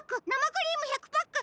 クリーム１００パック